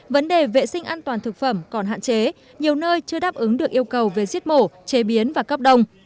vấn đề vệ sinh an toàn thực phẩm còn hạn chế nhiều nơi chưa đáp ứng được yêu cầu về giết mổ chế biến và cấp đông